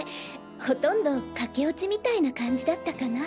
ほとんど駆け落ちみたいな感じだったかな。